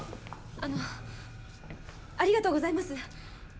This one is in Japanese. あのありがとうございます。